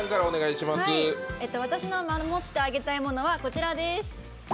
私の守ってあげたいものはこちらです。